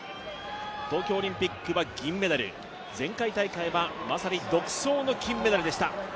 東京オリンピックは銀メダル、まさに独走の銀メダルでした。